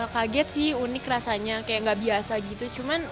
kaget sih unik rasanya kayak nggak biasa gitu